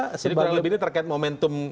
jadi kurang lebih ini terkait momentum